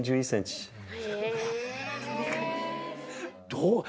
どう？